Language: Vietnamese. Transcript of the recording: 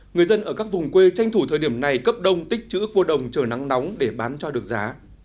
người dân ở các vùng quê tranh thủ thời điểm này cấp đông tích chữ cua đồng chờ nắng nóng để bán cho được giá